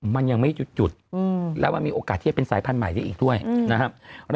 มันยังไม่หยุดแล้วมันมีโอกาสที่จะเป็นสายพันธุ์ใหม่ได้อีกด้วยนะครับ